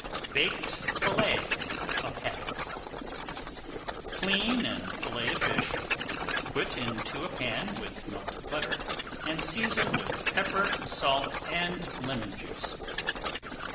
BAKED FILLETS OF HADDOCK Clean and fillet a fish, put into a pan with melted butter, and season with pepper, salt, and lemon juice.